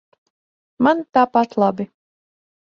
Man tāpat labi.